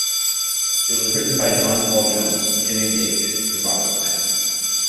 It was written by John Paul Jones, Jimmy Page and Robert Plant.